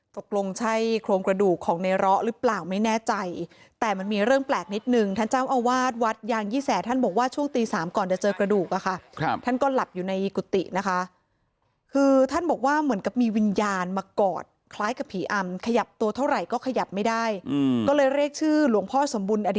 ตกลงใช่โครงกระดูกของในร้อหรือเปล่าไม่แน่ใจแต่มันมีเรื่องแปลกนิดนึงท่านเจ้าอาวาสวัดยางยี่แสท่านบอกว่าช่วงตีสามก่อนจะเจอกระดูกอะค่ะครับท่านก็หลับอยู่ในกุฏินะคะคือท่านบอกว่าเหมือนกับมีวิญญาณมากอดคล้ายกับผีอำขยับตัวเท่าไหร่ก็ขยับไม่ได้ก็เลยเรียกชื่อหลวงพ่อสมบู